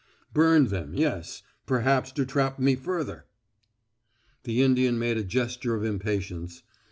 "Burned them, yes perhaps to trap me further." The Indian made a gesture of impatience.